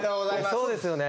そうですよね？